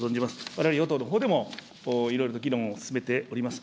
われわれ与党のほうでもいろいろな議論を進めております。